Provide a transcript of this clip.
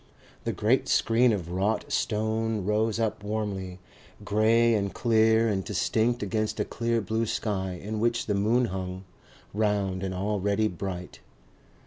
The great screen of wrought stone rose up warmly, grey and clear and distinct against a clear blue sky in which the moon hung, round and already bright.